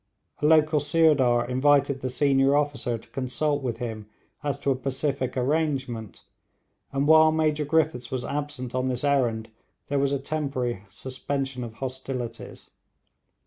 A local sirdar invited the senior officer to consult with him as to a pacific arrangement, and while Major Griffiths was absent on this errand there was a temporary suspension of hostilities.